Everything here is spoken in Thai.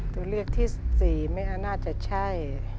ตัวเลือกที่๔ไม่น่าจะใช่